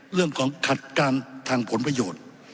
เรื่องของขัดการทางผลประโยชน์